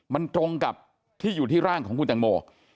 มันตรงกับที่อยู่ที่ร่างของคุณตังโม